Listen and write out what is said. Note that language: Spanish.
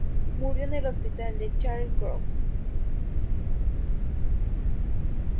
Murió en el Hospital de Charing Cross.